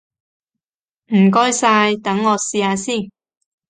唔該晒，等我試下先！